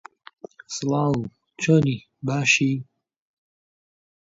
چینی شەشسەد ملیۆنیش هەبوو